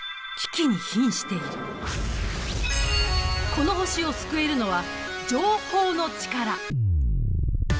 この星を救えるのは情報のチカラ。